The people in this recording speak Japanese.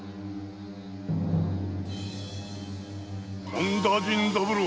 本田甚三郎！